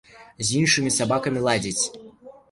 З іншымі сабакамі ладзіць.